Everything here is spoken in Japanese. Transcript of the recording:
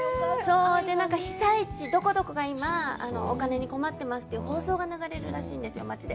被災地、どこどこが今、お金に困ってますという放送が流れるらしいんですよ、町で。